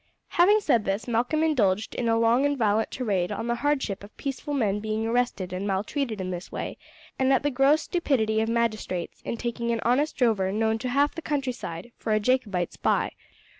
Having said this Malcolm indulged in a long and violent tirade on the hardship of peaceful men being arrested and maltreated in this way, and at the gross stupidity of magistrates in taking an honest drover known to half the countryside for a Jacobite spy.